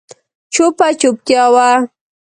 چوپه چوپتیا وه.